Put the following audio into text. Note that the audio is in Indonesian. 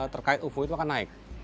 terkait ufo itu akan naik